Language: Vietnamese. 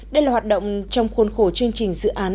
đây là hoạt động trong khuôn khổ chương trình dự án